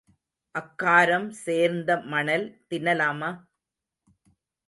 அக்காரம் சேர்ந்த மணல் தின்னலாமா?